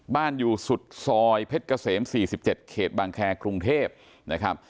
บ้านอยู่สุดซอยเพชรเกษมสี่สิบเจ็ดเขตบางแคกรุงเทพนะครับ